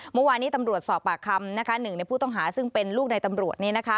เมื่อวานี้ตำรวจสอบปากคำหนึ่งในผู้ต้องหาซึ่งเป็นลูกในตำรวจ